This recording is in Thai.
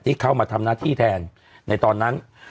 เข้ามาทำหน้าที่แทนในตอนนั้น